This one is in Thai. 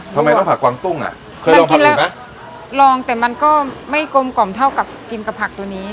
ทำไมต้องผักกวางตุ้งอ่ะเคยลองกินแล้วลองแต่มันก็ไม่กลมกล่อมเท่ากับกินกับผักตัวนี้